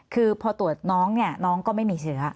คือพอตรวจน้องน้องก็ไม่มีเสื้อ